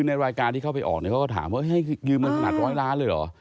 ในรายการที่เข้าไปออกก็ถามว่าให้ยืมกันขนาด๑๐๐ล้านเลยเหรอ